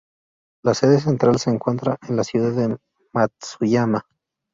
La sede central se encuentra en la Ciudad de Matsuyama.